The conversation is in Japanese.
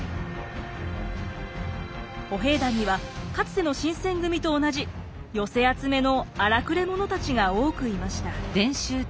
歩兵団にはかつての新選組と同じ寄せ集めの荒くれ者たちが多くいました。